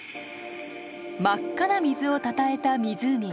真っ赤な水をたたえた湖。